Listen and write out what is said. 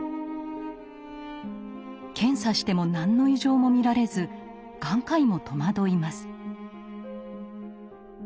検査しても何の異常も見られず眼科医も戸惑います。